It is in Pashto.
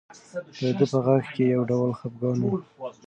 د ده په غږ کې یو ډول خپګان و.